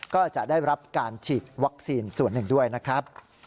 ก็จะได้รับการฉีดวัคซีนส่วนหนึ่งด้วยนะครับ